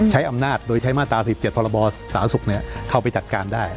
ใช้อำนาจโดยใช้มาตรา๑๗พรบสาธารณสุขเข้าไปจัดการได้